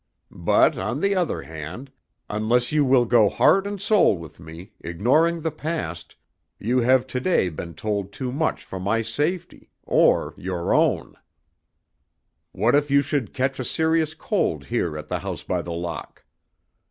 But, on the other hand, unless you will go heart and soul with me, ignoring the past, you have to day been told too much for my safety or your own. What if you should catch a serious cold here at the House by the Lock?